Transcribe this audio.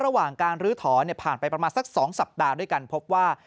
ระหว่างการลื้อถอนผ่านไปประมาณสัก๒สัปดาห์ด้วยกันพบว่า